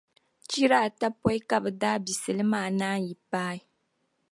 chira ata pɔi ka bɛ dabisili maa naanyi paai.